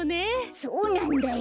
そうなんだよ。